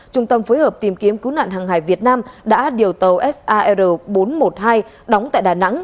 trung tâm phối hợp tìm kiếm cứu nạn hàng hải việt nam đã điều tàu sar bốn trăm một mươi hai đóng tại đà nẵng